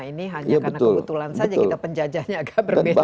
ini hanya karena kebetulan saja kita penjajahnya agak berbeda